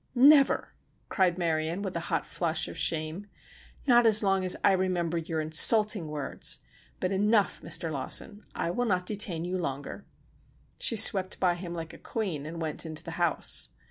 "Never!" cried Marion, with a hot flush of shame. "Not as long as I remember your insulting words. But enough, Mr. Lawson, I will not detain you longer." She swept by him like a queen and went into the house.